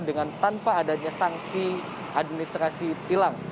dengan tanpa adanya sanksi administrasi tilang